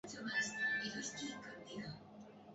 Alboko herrira zein kasutan joan naiteke?